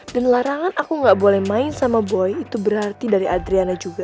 dan larangan aku gak boleh main sama boy itu berarti dari adriana juga